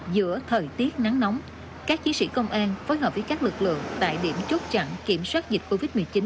giữa thời tiết nắng nóng các chiến sĩ công an phối hợp với các lực lượng tại điểm chốt chặn kiểm soát dịch covid một mươi chín